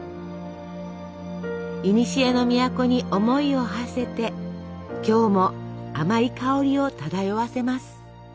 いにしえの都に思いをはせて今日も甘い香りを漂わせます。